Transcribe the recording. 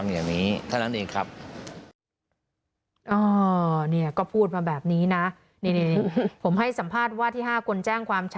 อ๋อเนี่ยก็พูดมาแบบนี้นะนี่ผมให้สัมภาษณ์ว่า